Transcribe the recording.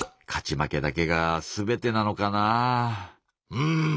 うん。